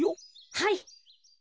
はい！